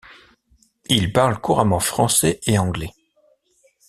Il parle couramment français et anglais.